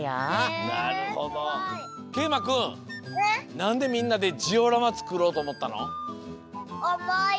なんでみんなでジオラマつくろうとおもったの？